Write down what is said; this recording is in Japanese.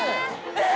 えっ！